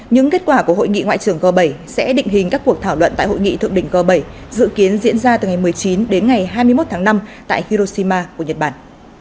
những kết quả của hội nghị ngoại trưởng g bảy sẽ định hình các cuộc thảo luận tại hội nghị thượng đỉnh g bảy dự kiến diễn ra từ ngày một mươi chín đến ngày hai mươi một tháng năm tại hiroshima của nhật bản